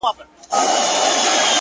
• توتکۍ ویله غم لرم چي ژاړم ,